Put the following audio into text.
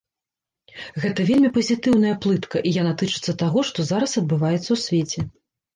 Гэта вельмі пазітыўная плытка, і яна тычыцца таго, што зараз адбываецца ў свеце.